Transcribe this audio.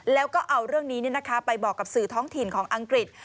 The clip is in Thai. แล้วก็เอาเรื่องนี้ไปบอกกับสื่อท้องถิ่นของอังกฤษ